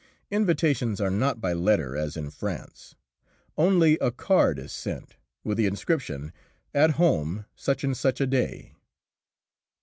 Invitations are not by letter, as in France. Only a card is sent, with the inscription, "At home such and such a day."